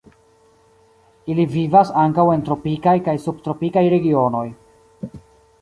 Ili vivas ankaŭ en tropikaj kaj subtropikaj regionoj.